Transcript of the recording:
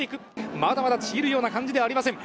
まだまだちぎるような感じではありません。